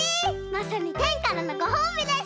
まさにてんからのごほうびです！